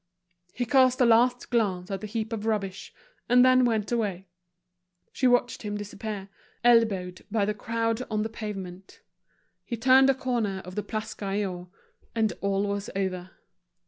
He cast a last glance at the heap of rubbish, and then went away. She watched him disappear, elbowed by the crowd on the pavement. He turned the corner of the Place Gaillon, and all was over.